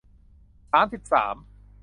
สามสิบสาม